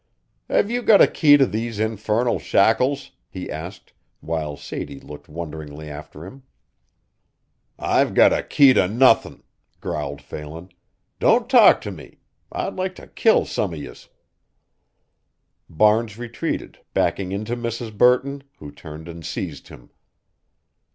"Have you got a key to these infernal shackles?" he asked, while Sadie looked wonderingly after him. "I've got a key to nothin'," growled Phelan. "Don't talk to me I'd like to kill some of yez." Barnes retreated, backing into Mrs. Burton, who turned and seized him.